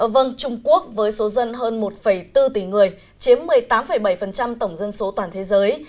vâng trung quốc với số dân hơn một bốn tỷ người chiếm một mươi tám bảy tổng dân số toàn thế giới